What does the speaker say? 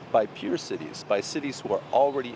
để phát triển kế hoạch này